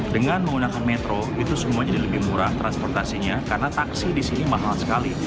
dengan menggunakan metro itu semuanya jadi lebih murah transportasinya karena taksi di sini mahal sekali